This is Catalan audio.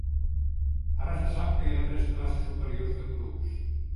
Ara se sap que hi ha tres classes superiors de cubs.